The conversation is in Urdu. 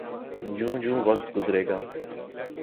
جوں جوں وقت گزرے گا۔